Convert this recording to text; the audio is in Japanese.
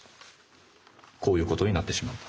こういうことになってしまった。